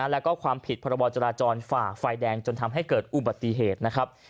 แล้วก็ความผิดพรบจราจรฝ่าไฟแดงจนทำให้เกิดอุบัติเหตุนะครับ